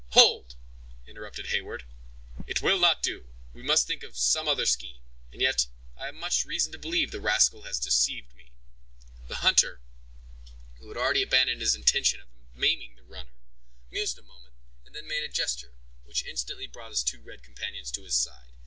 "Hold!" interrupted Heyward, "it will not do—we must think of some other scheme—and yet, I have much reason to believe the rascal has deceived me." The hunter, who had already abandoned his intention of maiming the runner, mused a moment, and then made a gesture, which instantly brought his two red companions to his side.